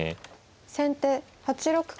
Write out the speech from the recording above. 先手８六角。